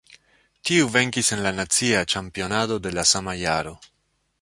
Tiu venkis en la nacia ĉampionado de la sama jaro.